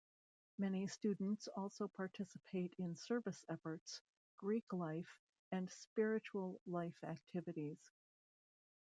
Many students also participate in service efforts, Greek life, and spiritual life activities.